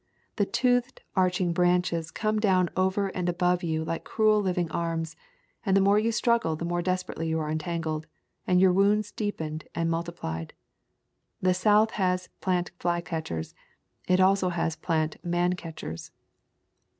The toothed arching branches come down over and above you like cruel liv ing arms, and the more you struggle the more desperately you are entangled, and your wounds deepened and multiplied. The South has plant fly catchers. It also has plant man catchers.